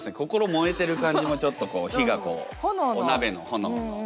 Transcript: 燃えてる感じもちょっとこう火がこうお鍋の炎の。